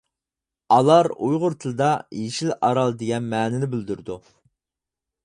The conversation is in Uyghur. ئالار ئۇيغۇر تىلىدا «يېشىل ئارال» دېگەن مەنىنى بىلدۈرىدۇ.